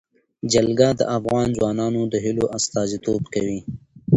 جلګه د افغان ځوانانو د هیلو استازیتوب کوي.